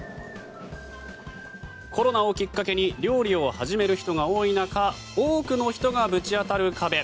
コロナをきっかけに料理を始める人が多い中多くの人がぶち当たる壁。